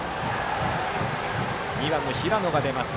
２番、平野が出ました。